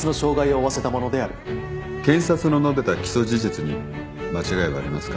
検察の述べた起訴事実に間違いはありますか？